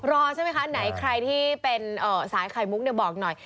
รอใช่ไหมคะไหนใครที่เป็นสายไข่มุกบอกหน่อย